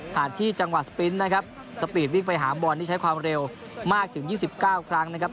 ที่จังหวัดสปรินท์นะครับสปีดวิ่งไปหาบอลที่ใช้ความเร็วมากถึง๒๙ครั้งนะครับ